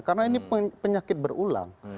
karena ini penyakit berulang